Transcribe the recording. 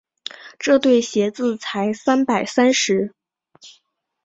这对鞋子才三百三十。